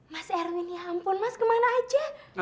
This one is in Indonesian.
mas erwin ya ampun mas kemana aja